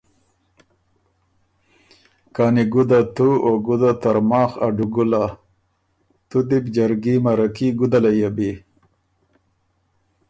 کانی ګُده تُو او ګُده ترماخ ا ډُوګُله! تُو دی بُو جرګي مَرکي ګُده لَیۀ بی۔